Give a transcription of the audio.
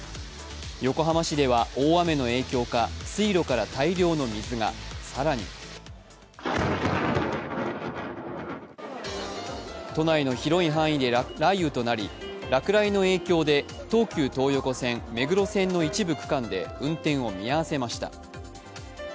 横浜市では大雨の影響か水路から大量の水が、更に都内の広い範囲で雷雨となり落雷の影響で東急東横線、目黒線の一部区間で運転を見合わせました。